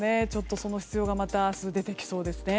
その必要がまた明日出てきそうです。